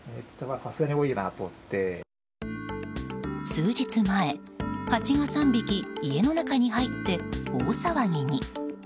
数日前、ハチが３匹家の中に入って大騒ぎに。